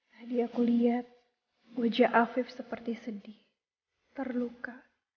tadi aku lihat goja afif seperti sedih terluka